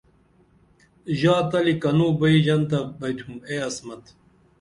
ژا تلی کنوں بئی ژنتہ بئتُھم اے عصمت